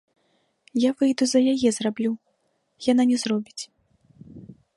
Я выйду за яе зраблю, яна не зробіць.